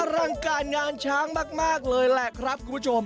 รังการงานช้างมากเลยแหละครับคุณผู้ชม